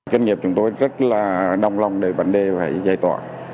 kinh nghiệp chúng tôi rất là đông long về vấn đề phải giải tỏa